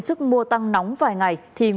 sức mua tăng nóng vài ngày thì